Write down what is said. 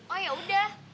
oh ya udah